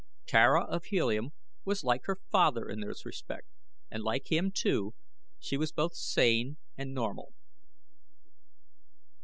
Tara of Helium was like her father in this respect and like him, too, she was both sane and normal.